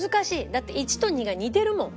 だって１と２が似てるもん。